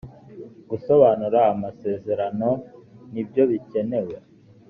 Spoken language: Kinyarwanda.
gusobanura amasezerano nibyo bikenewe.